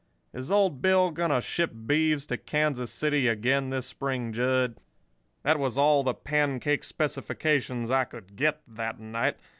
Is old Bill going to ship beeves to Kansas City again this spring, Jud?' "That was all the pancake specifications I could get that night.